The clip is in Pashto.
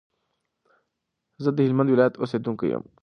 زه دهلمند ولایت اوسیدونکی یم.